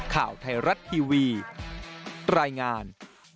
ข่าวไทยรัฐทีวีรายงาน